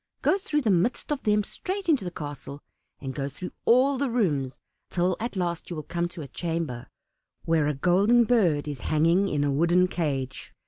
Go through the midst of them straight into the castle, and go through all the rooms, till at last you will come to a chamber where a Golden Bird is hanging in a wooden cage.